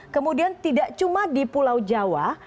kemudian tidak cuma di pulau jawa